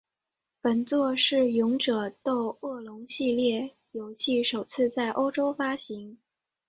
本作是勇者斗恶龙系列游戏首次在欧洲发行。